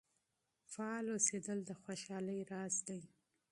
فعال اوسیدل د خوشحالۍ راز دی.